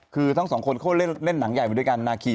คือทั้งสองคนเขาเล่นหนังใหญ่มาด้วยกันนาคี